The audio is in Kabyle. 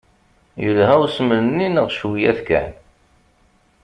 Yelha usmel-nni neɣ cwiya-t kan?